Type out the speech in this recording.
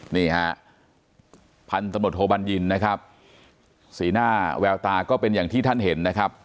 นี่ฮะพันธุ์ตำรวจโทบัญญินนะครับสีหน้าแววตาก็เป็นอย่างที่ท่านเห็นนะครับ